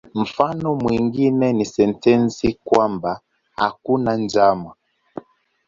Mfano mwingine ni sentensi kwamba "hakuna njama".